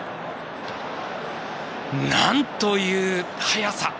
なんという速さ！